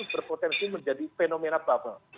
berpotensi menjadi fenomena bubble